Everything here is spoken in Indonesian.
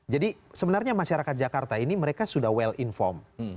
jadi sebenarnya masyarakat jakarta ini mereka sudah well inform